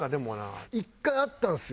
一回あったんですよ。